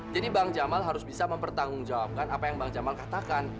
jadi bang jamal harus bisa mempertanggungjawabkan apa yang bang jamal katakan